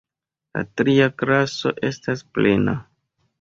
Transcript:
La tria klaso estas plena.